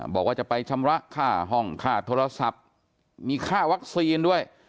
บอกว่าจะไปชำระค่าห้องค่าโทรศัพท์มีค่าวัคซีนด้วย